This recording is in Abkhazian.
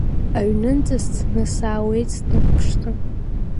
Аҩнынӡа сцаны саауеит, снықәԥшны…